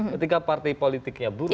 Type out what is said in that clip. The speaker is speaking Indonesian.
ketika partai politiknya buruk